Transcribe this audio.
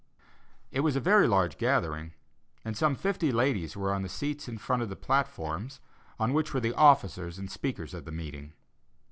It was a very large gathering, and some fifty ladies were on the seats in front of the platform, on which were the officers and speakers of the meeting.